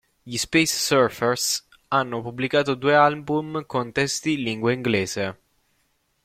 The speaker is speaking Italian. Gli Space Surfers hanno pubblicato due album con testi in lingua inglese.